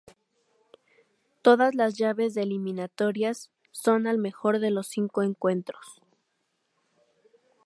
Todas las llaves de eliminatorias son al mejor de cinco encuentros.